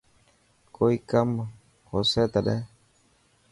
ڪوئي ڪم هو سي تٽهن.